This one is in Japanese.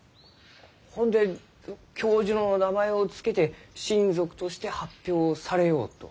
ほんで教授の名前を付けて新属として発表されようと？